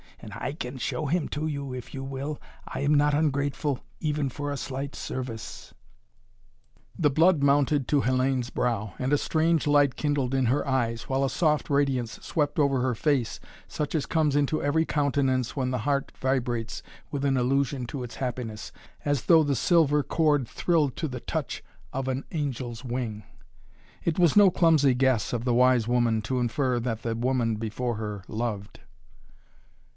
And I can show him to you, if you will. I am not ungrateful, even for a slight service." The blood mounted to Hellayne's brow, and a strange light kindled in her eyes, while a soft radiance swept over her face such as comes into every countenance when the heart vibrates with an illusion to its happiness, as though the silver cord thrilled to the touch of an angel's wing. It was no clumsy guess of the wise woman to infer that the woman before her loved.